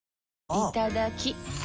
いただきっ！